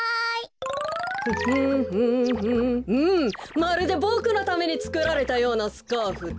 まるでボクのためにつくられたようなスカーフだ。